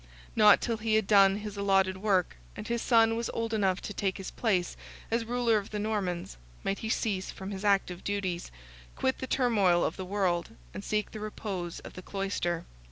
Not till he had done his allotted work, and his son was old enough to take his place as ruler of the Normans, might he cease from his active duties, quit the turmoil of the world, and seek the repose of the cloister.